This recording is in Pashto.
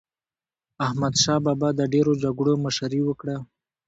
احمدشاه بابا د ډېرو جګړو مشري وکړه.